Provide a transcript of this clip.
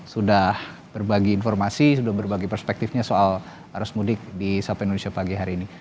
sudah berbagi informasi sudah berbagi perspektifnya soal arus mudik di sapa indonesia pagi hari ini